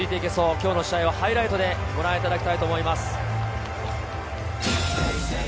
今日の試合をハイライトでご覧いただきます。